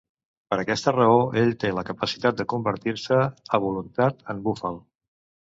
Per aquesta raó ell té la capacitat de convertir-se a voluntat en búfal.